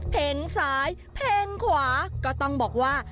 เพลงซ้ายเพลงขวาก็ต้องบอกว่า